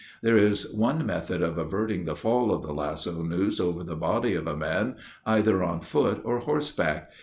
There is one method of averting the fall of the lasso noose over the body of a man, either on foot or horseback.